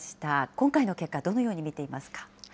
今回の結果、どのように見ていますか。